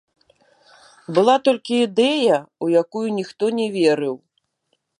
Была толькі ідэя, у якую ніхто не верыў.